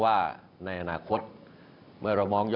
สวัสดีพี่น้องประชาชนคนไทยที่รักทุกท่านครับ